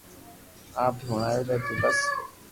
آپ ھي ھڻاو لي تو بس